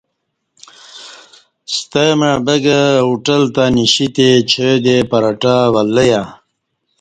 ستمع بگہ اہ ہوٹل تہ نیشیتہ چائ دے پراٹہ ولہ یا